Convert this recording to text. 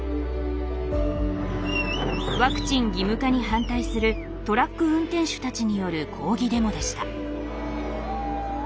ワクチン義務化に反対するトラック運転手たちによる抗議デモでした。